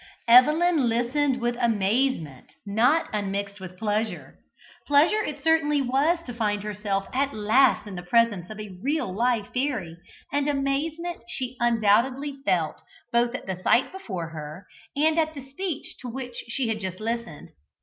Evelyn listened with amazement not unmixed with pleasure. Pleasure it certainly was to find herself at last in the presence of a real live fairy, and amazement she undoubtedly felt both at the sight before her, and at the speech to which she had just listened.